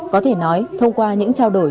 có thể nói thông qua những trao đổi